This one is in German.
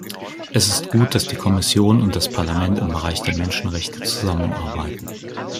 Es ist gut, dass die Kommission und das Parlament im Bereich der Menschenrechte zusammenarbeiten.